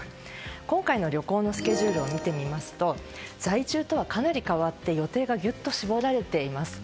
今回の旅行のスケジュールを見てみますと在位中とは打って変わって予定が絞られています。